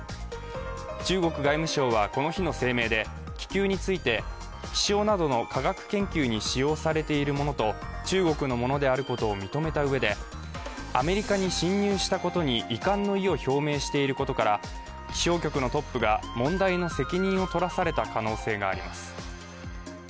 中国外務省はこの日の声明で気球について、気象などの科学研究に使用されているものと中国のものであることを認めたうえで、アメリカに侵入したことに遺憾の意を表明していることから気象局のトップが問題の責任をとらされたとされています。